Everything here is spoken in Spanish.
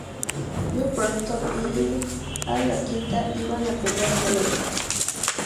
Joe Proctor y Al Iaquinta iban a pelear en el evento.